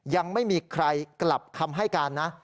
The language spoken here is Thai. ยังไม่มีใครกลับคำให้การนะ